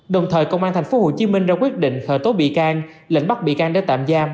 đồng thời công an tp hcm ra quyết định khởi tố bị can lệnh bắt bị can để tạm giam